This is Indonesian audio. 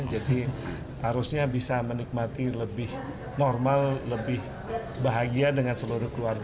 jadi harusnya bisa menikmati lebih normal lebih bahagia dengan seluruh keluarga